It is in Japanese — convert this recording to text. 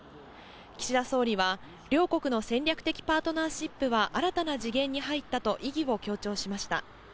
岸田総理は、両国の戦略的パートナーシップは、新たな次元に入ったと意義を強調しました。